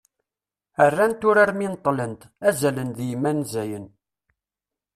rrant urar mi neṭṭlent "azalen d yimenzayen"